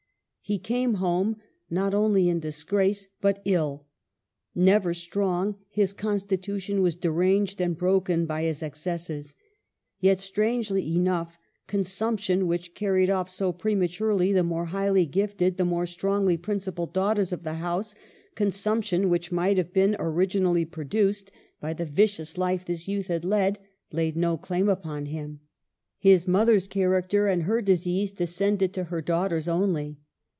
He came home not only in disgrace, but ill. Never strong, his constitution was deranged and broken by his excesses ; yet, strangely enough, consumption, which carried off so prematurely the more highly gifted, the more strongly prin cipled daughters of the house, consumption, which might have been originally produced by A RETROSPECT. J2 g the vicious life this youth had led, laid no claim upon him. His mother's character and her disease descended to her daughters only.